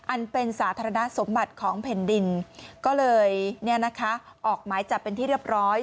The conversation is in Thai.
อันเป็นสาธารณสมบัติของแผ่นดินก็เลยออกหมายจับเป็นที่เรียบร้อย